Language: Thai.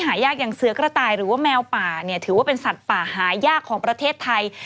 หายากอย่างเสือกระต่ายหรือว่าแมวป่าเนี่ยถือว่าเป็นสัตว์ป่าหายากของประเทศไทย